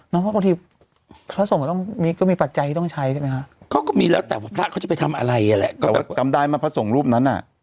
เพราะพระศรงร์ก็มีปัจจัยที่ต้องใช้ใช่ไหมฮะ